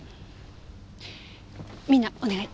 みんなお願い。